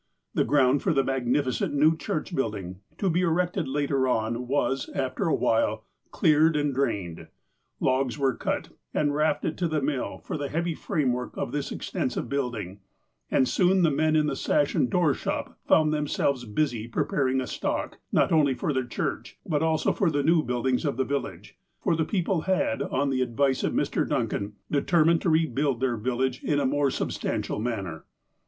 The ground for the magnificent new church building, to be erected later on, was, after a while, cleared and drained. Logs were cut, and rafted to the mill, for the heavy framework of this extensive building, and soon the men in the sash and door shop found themselves busy preparing a stock, not only for the church, but also for the new buildings of the village, for the people had, on the advice of Mr. Duncan, determined to rebuild their village in a more substantial manner.